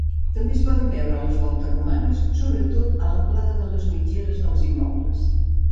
També es poden veure les voltes romanes sobretot a l'amplada de les mitgeres dels immobles.